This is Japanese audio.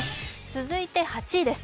続いては８位です。